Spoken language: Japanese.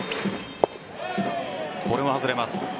これは外れます。